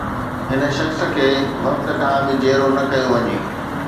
هن شخص کي وقت کان اڳ جيئرو نه ڪيو وڃي